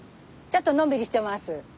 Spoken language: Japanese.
ちょっとのんびりしてます。